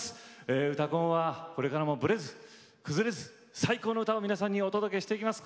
「うたコン」はこれからもブレず崩れず最高の歌を皆さんにお届けしていきます。